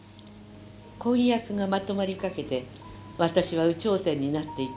「婚約がまとまりかけて私は有頂天になっていて。